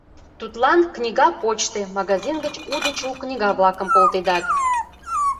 Тудлан «Книга – почтой» магазин гыч у деч у книга-влакым колтедат.